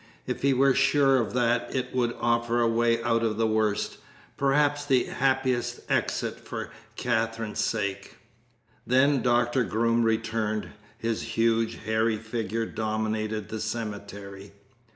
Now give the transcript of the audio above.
If he were sure of that it would offer a way out at the worst; perhaps the happiest exit for Katherine's sake. Then Doctor Groom returned. His huge hairy figure dominated the cemetery.